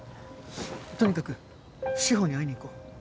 とにかく志法に会いに行こう。